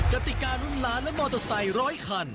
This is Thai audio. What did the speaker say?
กติการุ่นล้านและมอเตอร์ไซค์ร้อยคัน